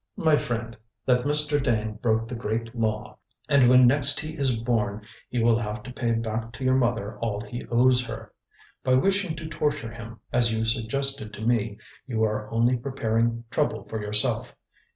"My friend, that Mr. Dane broke the Great Law, and when next he is born he will have to pay back to your mother all he owes her. By wishing to torture him, as you suggested to me, you are only preparing trouble for yourself.